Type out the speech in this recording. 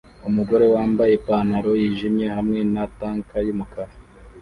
Umugore wambaye ipantaro yijimye hamwe na tank yumukara